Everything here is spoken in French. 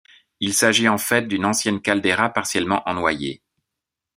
Il s'agit en fait d'une ancienne caldeira partiellement ennoyée.